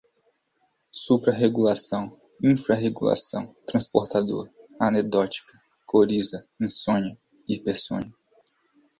suprarregulação, infrarregulação, transportador, anedótica, coriza, insônia, hipersonia